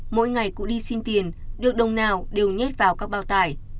mỗi ngày cụ đi xin tiền được đồng nào đều nhét vào các bao tải